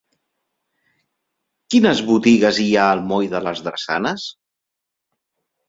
Quines botigues hi ha al moll de les Drassanes?